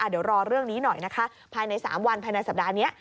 เดี๋ยวรอเรื่องนี้หน่อยนะคะภายใน๓วันภายในสัปดาห์นี้